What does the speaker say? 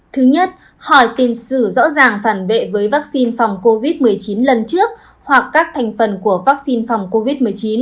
thứ nhất hỏi tiền sử rõ ràng phản bệ với vaccine phòng covid một mươi chín lần trước hoặc các thành phần của vaccine phòng covid một mươi chín